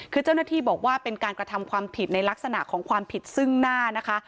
คือเจ้าหน้าที่บอกว่าเป็นการกระทำความผิดในลักษณะของความผิดซึ่งหน้านะคะ